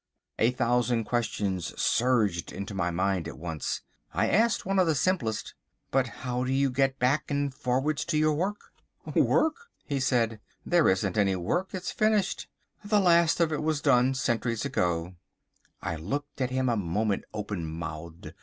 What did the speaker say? A thousand questions surged into my mind at once. I asked one of the simplest. "But how do you get back and forwards to your work?" "Work!" he said. "There isn't any work. It's finished. The last of it was all done centuries ago." I looked at him a moment open mouthed.